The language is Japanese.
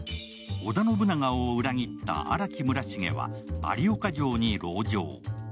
織田信長を裏切った荒木村重は有岡城に籠城。